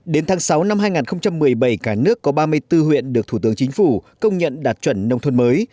đến tháng sáu năm hai nghìn một mươi bảy cả nước có ba mươi bốn huyện được thủ tướng chính phủ công nhận đạt chuẩn nông thôn mới